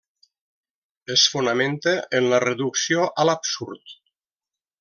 Es fonamenta en la reducció a l'absurd.